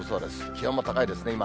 気温も高いですね、今。